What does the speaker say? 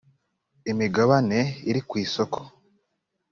imigabane iri kwisoko .